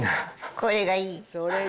これがいい。